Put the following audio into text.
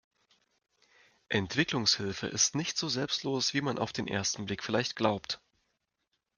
Entwicklungshilfe ist nicht so selbstlos, wie man auf den ersten Blick vielleicht glaubt.